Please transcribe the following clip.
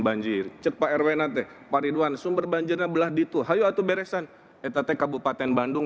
banjir cepat rw nanti pak ridwan sumber banjirnya belah dituh ayo atuh beresan ett kabupaten bandung